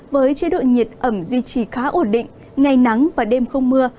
với chế độ nhiệt ẩm duy trì khá ổn định ngày nắng và đêm không mưa